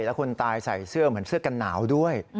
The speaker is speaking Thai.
แล้วคนตายใส่เสื้อเหมือนเสื้อกันหนาวด้วย